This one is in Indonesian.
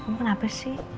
kamu kenapa sih